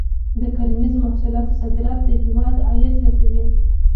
د کرنیزو محصولاتو صادرات د هېواد عاید زیاتوي.